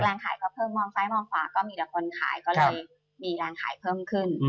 ขายก็เพิ่มมองซ้ายมองขวาก็มีแต่คนขายก็เลยมีแรงขายเพิ่มขึ้น